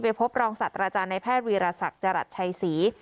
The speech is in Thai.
ไปพบรองศาสตราจารย์ในแพทย์วิรัษักรรดชัยศรี